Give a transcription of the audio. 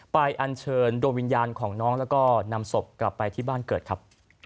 อันเชิญดวงวิญญาณของน้องแล้วก็นำศพกลับไปที่บ้านเกิดครับ